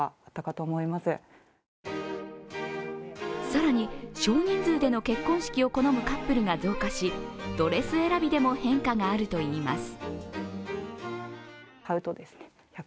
更に、少人数での結婚式を好むカップルが増加しドレス選びでも変化があるといいます。